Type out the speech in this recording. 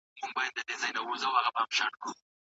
نړيوال سياست به تل خوځنده او بدلېدونکی وي.